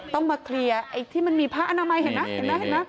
ต้องมาเคลียร์ที่มันมีผ้าอนามัยเห็นไหม